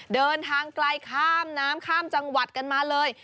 เดินทางไกลข้ามน้ำข้ามจังหวัดกันมาเลย